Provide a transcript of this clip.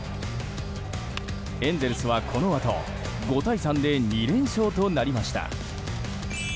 エンゼルスは、このあと５対３で２連勝となりました。